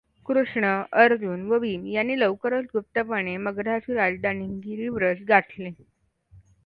कृष्ण, अर्जुन व भीम यांनी लवकरच गुप्तपणे मगधाची राजधानी गिरिव्रज गाठली.